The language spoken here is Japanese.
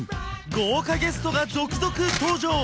豪華ゲストが続々登場！